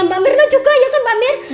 mbak mirna juga ya kan pak mir